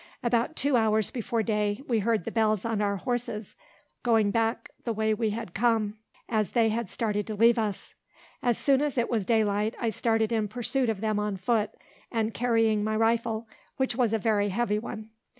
About two hours before day, we heard the bells on our horses going back the way we had come, as they had started to leave us. As soon as it was daylight, I started in pursuit of them on foot, and carrying my rifle, which was a very heavy one.